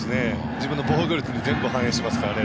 自分の防御率に全部反映しますからね